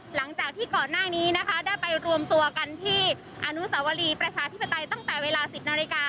หลังจากที่ก่อนหน้านี้นะคะได้ไปรวมตัวกันที่อนุสาวรีประชาธิปไตยตั้งแต่เวลา๑๐นาฬิกา